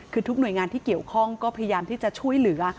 คือทุกหน่วยงานที่เกี่ยวข้องก็พยายามที่จะช่วยเหลือ